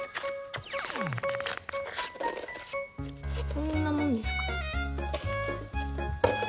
こんなもんですか。